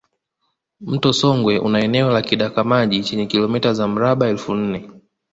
Mto Songwe una eneo la kidaka maji chenye kilomita za mraba elfu nne